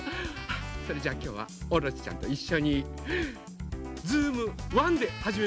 それじゃあきょうはオロチちゃんといっしょに「ズームワン」ではじめましょう。